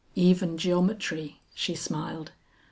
"Even geometry," she smiled.